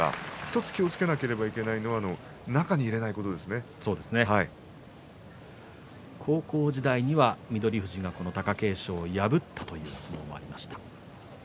１つ気をつけなければいけないのは高校時代には翠富士が貴景勝を破った相撲もありました。